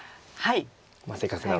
せっかくなので。